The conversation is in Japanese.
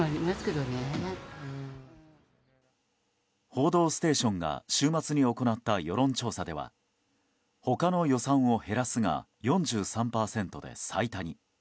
「報道ステーション」が週末に行った世論調査では他の予算を減らすが４３％で最多に。